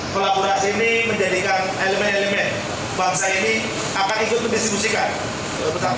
kolaborasi ini menjadikan elemen elemen bangsa ini akan ikut mendistribusikan